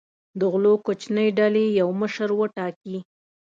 د غلو کوچنۍ ډلې یو مشر وټاکي.